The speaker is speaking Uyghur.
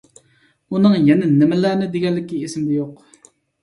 ئۇنىڭ يەنە نېمىلەرنى دېگەنلىكى ئېسىمدە يوق.